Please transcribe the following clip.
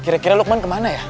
kira kira lukman kemana ya